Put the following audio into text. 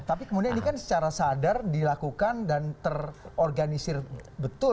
tapi kemudian ini kan secara sadar dilakukan dan terorganisir betul